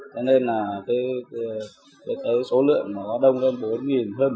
cho nên là cái số lượng nó đông hơn bốn hơn bốn